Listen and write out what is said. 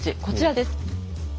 こちらです。